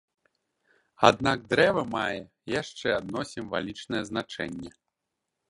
Аднак дрэва мае яшчэ адно сімвалічнае значэнне.